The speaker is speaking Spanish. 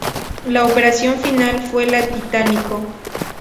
La operación final fue la Titánico.